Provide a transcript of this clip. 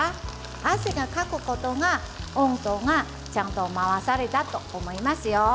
汗をかくことで、温度がちゃんと回されたと思いますよ。